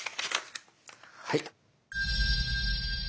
はい。